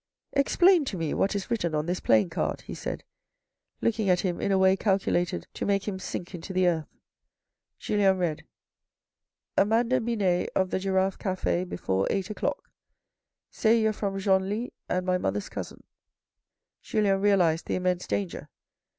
" Explain to me what is written on this playing card ?" he said, looking at him in a way calculated to make him sink into the earth. Julien read : "Amanda Biriet of the Giraffe Cafe before eight o'clock. Say you're from Genlis, and my mother's cousin." Julien realised the immense danger.